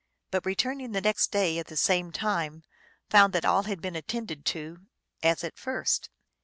but returning the next day at the same time, found that all had been attended to, as at first.